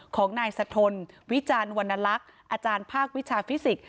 ของนายสะทนวิจารณวรรณลักษณ์อาจารย์ภาควิชาฟิสิกส์